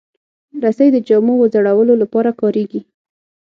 رسۍ د جامو وځړولو لپاره کارېږي.